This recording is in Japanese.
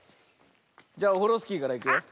じゃオフロスキーからいくよ。